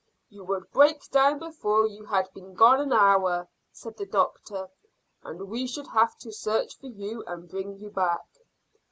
"You would break down before you had been gone an hour," said the doctor, "and we should have to search for you and bring you back."